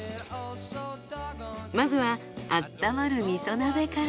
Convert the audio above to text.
まずはあったまるみそ鍋から。